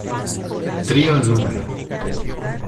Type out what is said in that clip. Trio No.